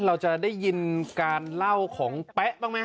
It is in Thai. เราจะได้ยินการเล่าของแป๊ะบ้างไหม